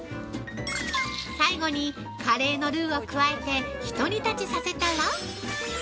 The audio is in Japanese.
◆最後にカレーのルーを加えてひと煮立ちさせたら◆